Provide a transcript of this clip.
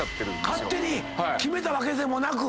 勝手に決めたわけでもなく。